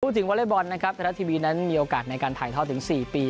ถึงวอเล็กบอลนะครับไทยรัฐทีวีนั้นมีโอกาสในการถ่ายทอดถึง๔ปี